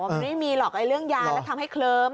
ว่ามันไม่ได้มีหรอกอะไรเรื่องยาแล้วทำให้เคลิ้ม